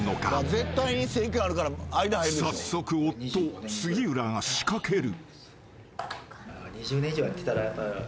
［早速夫杉浦が仕掛ける］